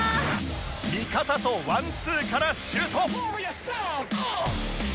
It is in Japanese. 味方とワンツーからシュート